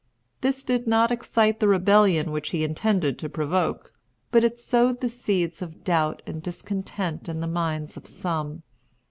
This did not excite the rebellion which he intended to provoke, but it sowed the seeds of doubt and discontent in the minds of some.